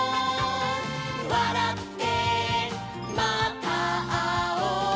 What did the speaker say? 「わらってまたあおう」